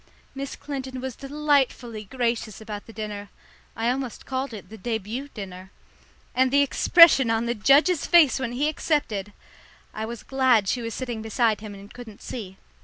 Miss Clinton was delightfully gracious about the dinner I almost called it the début dinner and the expression on the judge's face when he accepted! I was glad she was sitting beside him and couldn't see.